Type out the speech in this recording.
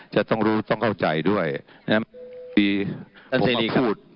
จะต้องรู้ให้เข้าใจด้วยขอมาพูด